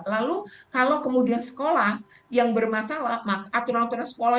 lalu kalau kemudian sekolah yang bermasalah aturan aturan sekolah yang ternyata mengambil kesalahan